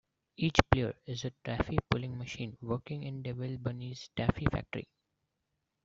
Each player is a taffy pulling machine working in Devil Bunny's taffy factory.